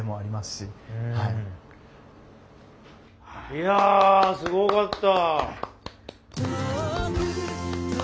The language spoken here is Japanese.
いやすごかった。